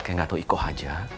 kayak gak tau ikoh aja